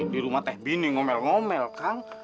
di rumah teh bini ngomel ngomel kang